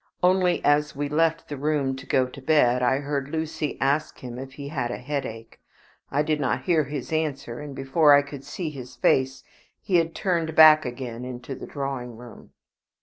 Only as we left the room to go to bed, I heard Lucy ask him if he had a headache. I did not hear his answer, and before I could see his face he had turned back again into the drawing room.